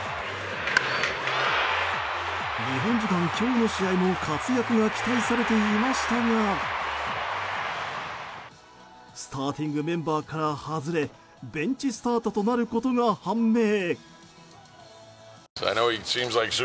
日本時間今日の試合も活躍が期待されていましたがスターティングメンバーから外れベンチスタートとなることが判明。